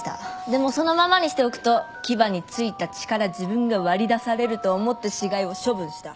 でもそのままにしておくと牙に付いた血から自分が割り出されると思って死骸を処分した。